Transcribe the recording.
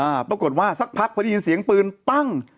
ปรากฏว่าสักพักพอได้ยินเสียงปืนปั้ง